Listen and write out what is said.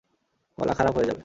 গলা খারাপ হয়ে যাবে।